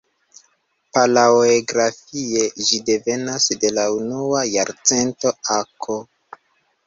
Palaoegrafie ĝi devenas de la unua jarcento a.K.